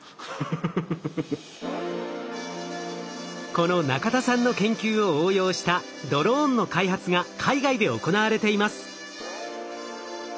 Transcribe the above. この中田さんの研究を応用したドローンの開発が海外で行われています。